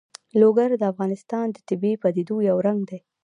لوگر د افغانستان د طبیعي پدیدو یو رنګ دی.